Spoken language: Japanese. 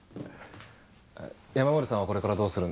えっ山守さんはこれからどうするんですか？